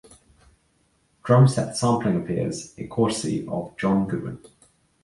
Drum set sampling appears courtesy of John Goodwin.